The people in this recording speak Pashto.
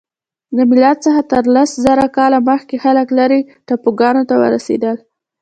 له میلاد څخه تر لس زره کاله مخکې خلک لیرې ټاپوګانو ته ورسیدل.